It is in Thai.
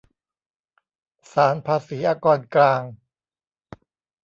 ศาลภาษีอากรกลาง